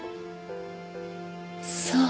そう。